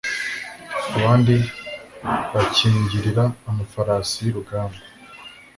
abandi bakiringira amafarasi y’urugamba